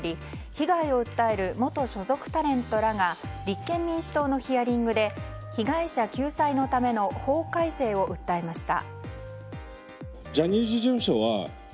被害を訴える元所属タレントらが立憲民主党のヒアリングで被害者救済のための法改正を訴えしました。